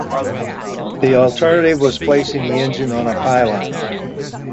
The alternative was placing the engine on a pylon.